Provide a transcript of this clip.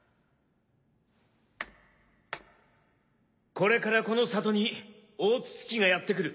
これからこの里に大筒木がやってくる。